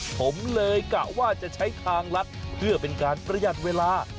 ผมเลยกะว่าจะใช้ทางลัดเพื่อเป็นการประหยัดเวลา